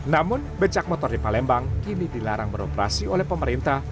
namun becak motor di palembang kini dilarang beroperasi oleh pemerintah